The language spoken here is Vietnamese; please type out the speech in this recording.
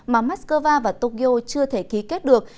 mà moscow và tokyo chưa thể ký kết được